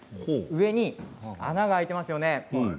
上に穴が開いていますよね。